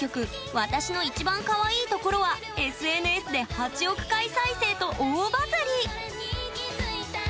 「わたしの一番かわいいところ」はＳＮＳで８億回再生と大バズり！